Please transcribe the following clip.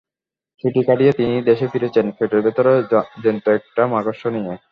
ছুটি কাটিয়ে তিনি দেশে ফিরেছেন পেটের ভেতর জ্যান্ত একটা মাকড়সা নিয়ে।